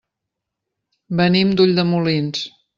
Venim d'Ulldemolins.